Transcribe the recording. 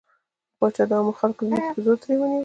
پاچا د عامو خلکو ځمکې په زور ترې ونيولې.